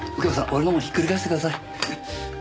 俺のもひっくり返してください。